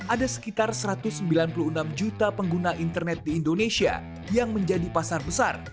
ada sekitar satu ratus sembilan puluh enam juta pengguna internet di indonesia yang menjadi pasar besar